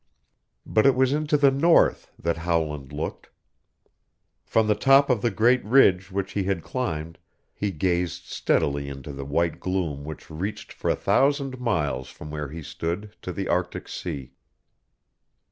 But it was into the North that Howland looked. From the top of the great ridge which he had climbed he gazed steadily into the white gloom which reached for a thousand miles from where he stood to the Arctic Sea.